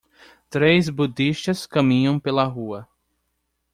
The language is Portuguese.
três budistas caminham pela rua.